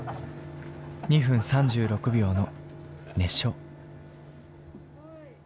２分３６秒の熱唱。